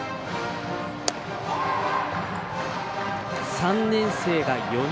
３年生が４人。